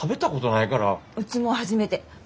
うちも初めて。